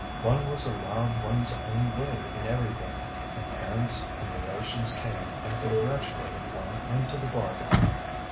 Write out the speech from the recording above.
One was allowed oneŌĆÖs own way in everything, and parents and relations came and congratulated one into the bargain.